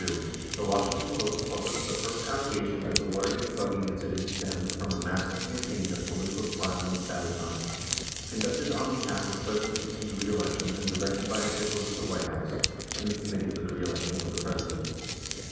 White House Press Response On October 10, 1972, the Washington Post published the first allega tion that the Watergate bugging incident stemmed "from a massive campaign of political spying and sabotage conducted on behalf of President Nixon's reelection and directed by officials at the White House and the Committee for the Re Election of the President."